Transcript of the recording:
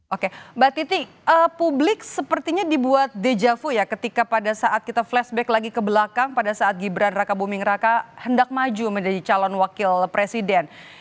oke mbak titi publik sepertinya dibuat dejavu ya ketika pada saat kita flashback lagi ke belakang pada saat gibran raka buming raka hendak maju menjadi calon wakil presiden